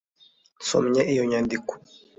nsomye iyo nyandiko